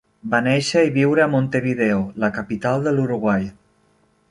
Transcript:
Va néixer i viure a Montevideo, la capital de l"Uruguai.